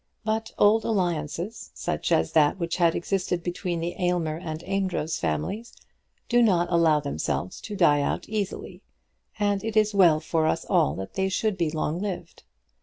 But old alliances, such as that which had existed between the Aylmer and the Amedroz families, do not allow themselves to die out easily, and it is well for us all that they should be long lived.